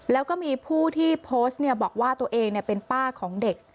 แล้วก็มีผู้ที่โพสต์บอกว่าตัวเองเป็นป้าของเด็ก